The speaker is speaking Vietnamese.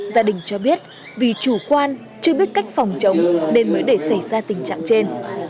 gia đình cho biết vì chủ quan chưa biết cách phòng chống nên mới để xảy ra tình trạng trên